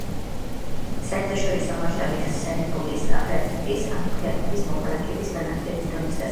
საერთაშორისო მასშტაბით ხსენებული სტანდარტი გამოდგება ქვეყნების, ან ქვეყნების მოქალაქეების განათლების დონის დასადგენად.